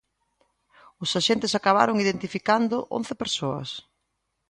Os axentes acabaron identificando once persoas.